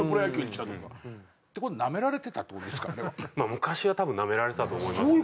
昔は多分なめられてたと思いますね。